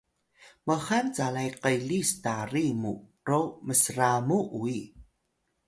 mxal calay qelis tari mu ro msramu uyi